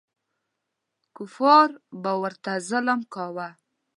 کفار به ورته ظلم کاوه.